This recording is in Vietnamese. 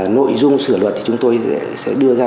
nội dung sửa luật thì chúng tôi sẽ đưa ra